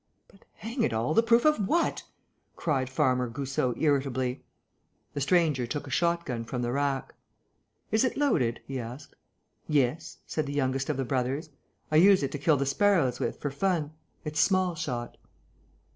"But, hang it all, the proof of what?" cried Farmer Goussot, irritably. The stranger took a shotgun from the rack. "Is it loaded?" he asked. "Yes," said the youngest of the brothers. "I use it to kill the sparrows with, for fun. It's small shot."